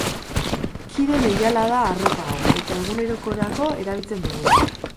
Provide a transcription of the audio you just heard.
Kide leiala da arropa hau eta egunerokorako erabiltzen dugu.